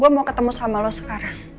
gue mau ketemu sama lo sekarang